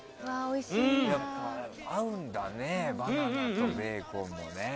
合うんだねバナナとベーコンもね。